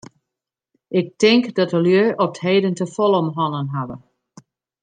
Ik tink dat de lju op 't heden te folle om hannen hawwe.